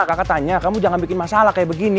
kakak tanya kamu jangan bikin masalah kayak begini